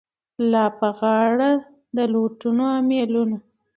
لا په غاړه د لوټونو امېلونه